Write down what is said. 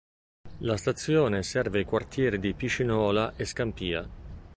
La stazione serve i quartieri di Piscinola e Scampia.